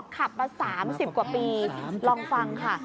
ขับมาสามสิบกว่าปีลองฟังค่ะ